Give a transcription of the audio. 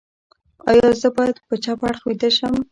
ایا زه باید په چپ اړخ ویده شم؟